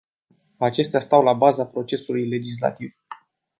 Acestea stau la baza procesului legislativ.